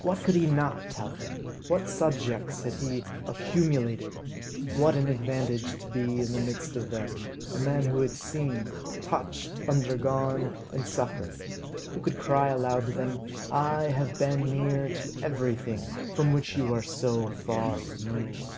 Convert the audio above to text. What could he not tell them? What subjects he had accumulated! What an advantage to be in the midst of them, a man who had seen, touched, undergone, and suffered; who could cry aloud to them, "I have been near to everything, from which you are so far removed."